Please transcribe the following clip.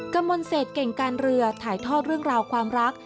กระมวลเศษเก่งการเรือถ่ายทอดเรื่องราวความรัก